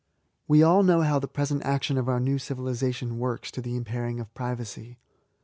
We all know how the present action of our new civilisation works to the impairing of Privacy.